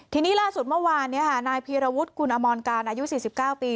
ทีนี้ล่าสุดเมื่อวานนายพีรวุฒิกุลอมรการอายุ๔๙ปี